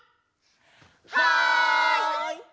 はい！